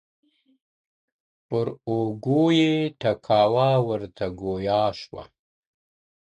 پر اوږو یې ټکاوه ورته ګویا سو.!